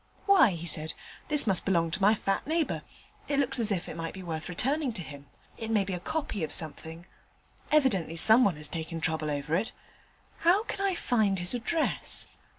"Why," he said, "this must belong to my fat neighbour. It looks as if it might be worth returning to him; it may be a copy of something; evidently someone has taken trouble over it. How can I find his address?"